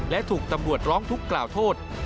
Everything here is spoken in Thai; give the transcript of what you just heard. และถูกตำรวจร้องทุกข์กล่าวโทษ